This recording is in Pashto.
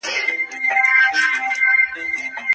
دغه فرمان باید په پښتو کي صادر سي.